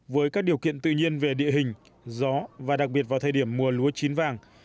với các điều kiện tự nhiên về địa hình gió và đặc biệt vào thời điểm mùa lúa chín vàng